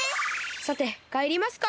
さてかえりますか。